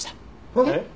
えっ？